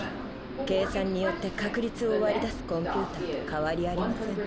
計算によって確率を割り出すコンピューターと変わりありません。